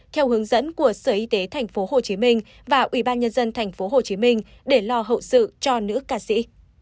theo hướng dẫn của sở y tế tp hcm và ủy ban nhân dân tp hcm để lo hậu sự cho nữ ca sĩ